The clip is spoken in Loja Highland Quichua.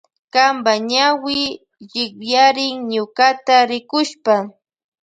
Kanpa ñawi llipyarin ñukata rikushpa.